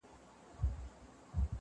ستا په غوښو دي بلا توره مړه سي,